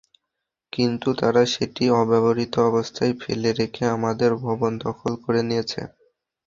কিন্তু তারা সেটি অব্যবহৃত অবস্থায় ফেলে রেখে আমাদের ভবন দখল করে নিয়েছে।